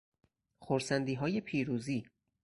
خرسندیهای پیروزی